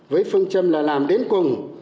với phương châm là làm đến cùng